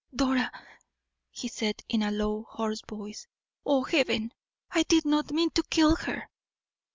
"Dora!" he said, in a low, hoarse voice. "Oh, Heaven! I did not mean to kill her."'